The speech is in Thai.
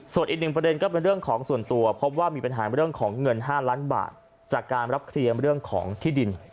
ส่วนอีกหนึ่งประเด็นก็เป็นเรื่องของส่วนตัวพบว่ามีปัญหาเรื่องของเงิน๕ล้านบาทจากการรับเคลียร์เรื่องของที่ดิน